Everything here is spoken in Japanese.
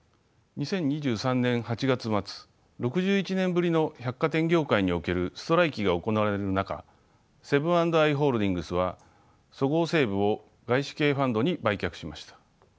２０２３年８月末６１年ぶりの百貨店業界におけるストライキが行われる中セブン＆アイ・ホールディングスはそごう・西武を外資系ファンドに売却しました。